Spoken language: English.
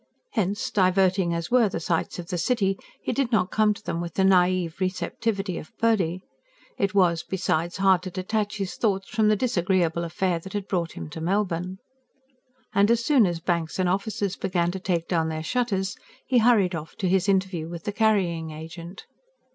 Hence, diverting as were the sights of the city, he did not come to them with the naive receptivity of Purdy. It was, besides, hard to detach his thoughts from the disagreeable affair that had brought him to Melbourne. And as soon as banks and offices began to take down their shutters, he hurried off to his interview with the carrying agent.